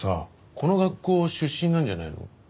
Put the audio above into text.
この学校出身なんじゃないの？